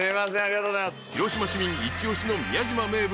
［広島市民一押しの宮島名物